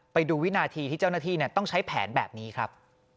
ไปดูวินาทีที่เจ้าหน้าที่ต้องใช้แผนแบบนี้ครับ